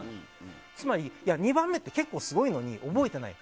つまり、２番目って結構すごいのに覚えていない。